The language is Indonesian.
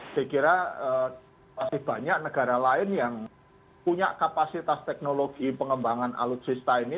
saya kira masih banyak negara lain yang punya kapasitas teknologi pengembangan alutsista ini